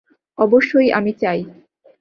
অবশ্যই আমি চাই!